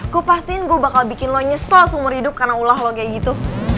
gue pastiin gue bakal bikin lo nyesel seumur hidup karena ulah lo kayak gitu